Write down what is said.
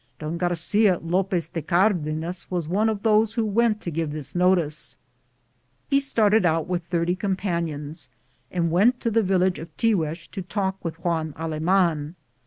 Don Garcia Lopez de Cardenas was one of those who went to give this notice. He started out with about 30 companions and went to the village of Tiguex to talk with Juan Aleman.